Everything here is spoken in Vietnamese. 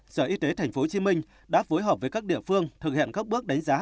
sở y tế tp hcm đã phối hợp với các địa phương thực hiện các bước đánh giá